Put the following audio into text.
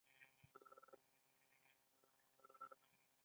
نادعلي کانالونه ولې ډیر دي؟